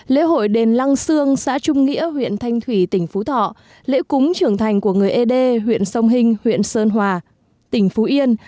lễ hội đền lăng sương xã trung nghĩa huyện thanh thủy tỉnh phú thọ lễ cúng trưởng thành của người ế đê huyện sông hình huyện sơn hòa tỉnh phú yên